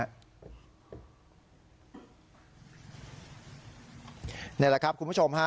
นี่แหละครับคุณผู้ชมฮะ